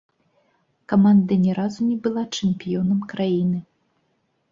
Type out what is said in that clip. Каманда ні разу не была чэмпіёнам краіны.